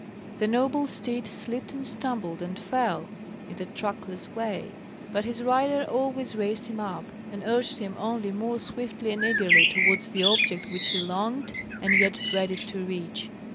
The noble steed slipped and stumbled and fell in the trackless way, but his rider always raised him up, and urged him only more swiftly and eagerly towards the object which he longed and yet dreaded to reach.